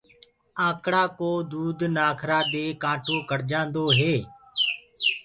آنڪڙآ ڪو دود نآکرآ دي ڪآنٽو ڪڙجآندوئي۔